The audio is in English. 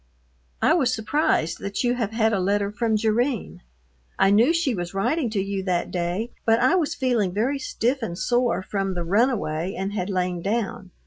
I was surprised that you have had a letter from Jerrine. I knew she was writing to you that day, but I was feeling very stiff and sore from the runaway and had lain down.